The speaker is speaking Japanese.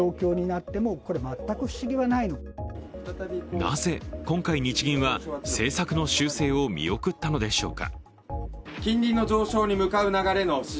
なぜ、今回日銀は政策の修正を見送ったのでしょうか。